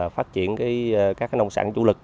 phát triển các nông sản chủ lực